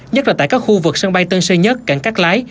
nhất là tại các khu vực sân bay tân sơ nhất cảng cắt lái